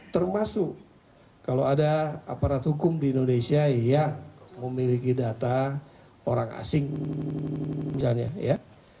termasuk kalau ada aparat hukum di indonesia yang memiliki data orang asing misalnya ya